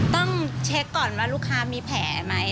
ต้องเคลื่อนลองก่อนว่าลูกค้ามีแผลมั้ย